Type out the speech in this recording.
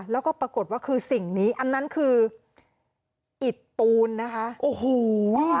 แล้วก็ปรากฏว่าคือสิ่งนี้อันนั้นคืออิดปูนนะคะโอ้โห